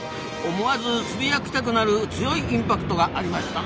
思わずつぶやきたくなる強いインパクトがありましたなあ。